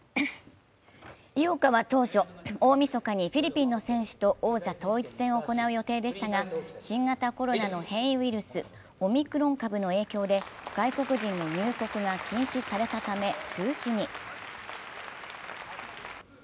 井岡は当初、大みそかにフィリピンの選手と王座統一戦を行う予定でしたが、新型コロナの変異ウイルス、オミクロン株の影響で外国人の入国が禁止されたため中止に。